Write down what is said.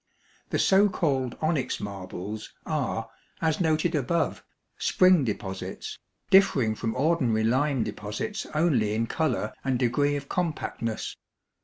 The so called onyx marbles are, as noted above, spring deposits, differing from ordinary lime deposits only in color and degree of compactness.